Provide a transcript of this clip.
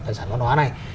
tài sản văn hóa này